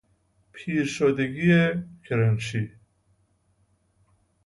پیرشدگی کرنشی